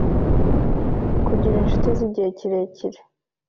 kugira inshuti z’igihe kirekire